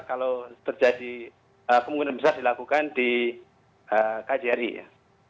kalau terjadi kemungkinan besar dilakukan di kjri ya